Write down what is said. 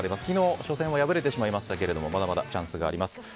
昨日、初戦は破れてしまいましたけどもまだまだチャンスはあります。